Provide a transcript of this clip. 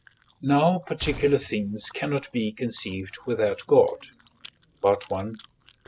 Now particular things cannot be conceived without God (I.